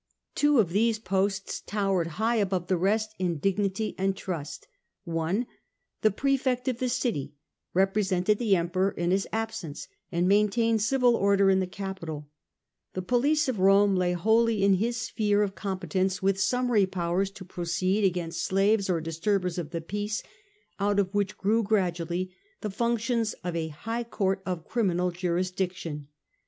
Two of these posts towered high above the rest in dignity and trust. (1) The Praefect of the City represented the Emperor in his absence, and maintained civil order in the capital. The Praefect The police of Rome lay wholly in his sphere of the City, competence, with summary powers to proceed against slaves or disturbers of the peace, out of which grew gradually the functions of a High Court of Criminal Jurisdiction.